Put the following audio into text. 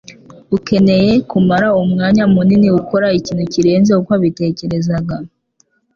Ukeneye kumara umwanya munini ukora ikintu kirenze uko wabitekerezaga.